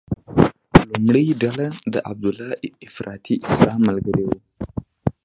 لومړۍ ډله د عبیدالله افراطي اسلام ملګري وو.